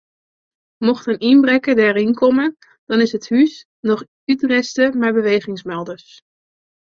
Mocht in ynbrekker deryn komme dan is it hûs noch útrêste mei bewegingsmelders.